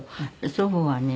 祖母はね